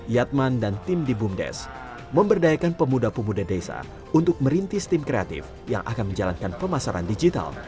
yatman dan tim di bumdes memberdayakan pemuda pemuda desa untuk merintis tim kreatif yang akan menjalankan pemasaran digital